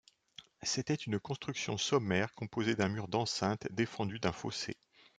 C'était une construction sommaire composée d'un mur d'enceinte défendu d'un fossé.